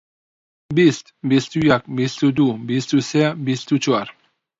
بیست، بیست و یەک، بیست و دوو، بیست و سێ، بیست و چوار.